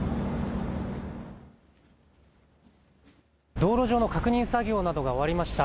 道路上の確認作業などが終わりました。